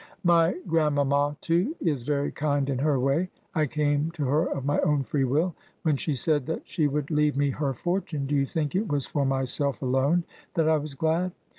My grandmamma, too, is very kind in her way. I came to her of my own free will. When she said that she would leave me her fortime, do you think it was for myself alone that I was glad?